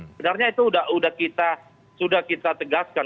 sebenarnya itu sudah kita tegaskan